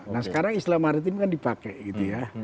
nah sekarang istilah maritim kan dipakai gitu ya